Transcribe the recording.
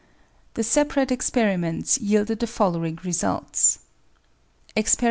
The separate experiments yielded the following results : Expt.